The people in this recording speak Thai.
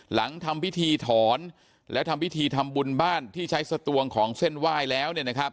หลังทำพิธีถอนและทำพิธีทำบุญบ้านที่ใช้สตวงของเส้นไหว้แล้วเนี่ยนะครับ